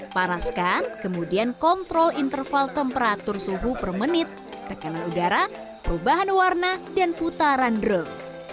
paraskan kemudian kontrol interval temperatur suhu per menit tekanan udara perubahan warna dan putaran drop